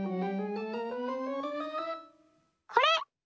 これ！